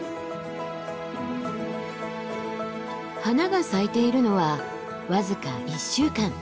花が咲いているのは僅か１週間。